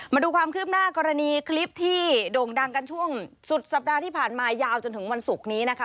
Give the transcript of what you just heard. มาดูความคืบหน้ากรณีคลิปที่โด่งดังกันช่วงสุดสัปดาห์ที่ผ่านมายาวจนถึงวันศุกร์นี้นะคะ